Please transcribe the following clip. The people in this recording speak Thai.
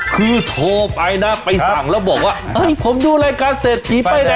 คือโทรไปนะไปสั่งแล้วบอกว่าผมดูรายการเสร็จทีไปได้